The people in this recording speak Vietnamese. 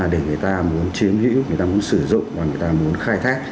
để người ta muốn chiếm hữu người ta muốn sử dụng và người ta muốn khai thác